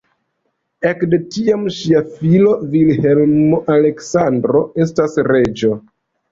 Ekde tiam ŝia filo Vilhelmo-Aleksandro estas reĝo.